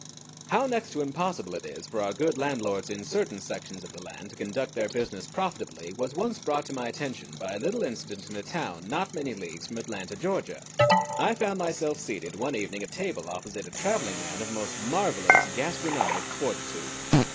How next to impossible it is for our good landlords in certain sections of the land to conduct their business profitably was once brought to my attention by a little incident in a town not many leagues from Atlanta, Georgia. I found myself seated one evening at table opposite a traveling man of most marvelous gastronomic fortitude.